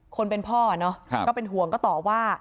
คนเป็นพ่อเนอะก็เป็นห่วงก็ต่อว่า